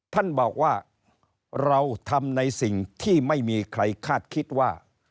ท่านบอกว่าเราทำในสิ่งที่ไม่มีใครคาดคิดว่า